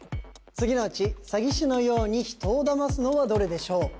次のうち詐欺師のように人をだますのはどれでしょう